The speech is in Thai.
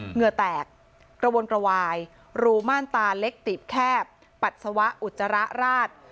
เหงื่อแตกกระวนกระวายรูม่านตาเล็กตีบแคบปัสสาวะอุจจาระราด